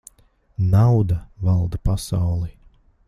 Nauda valda pasauli.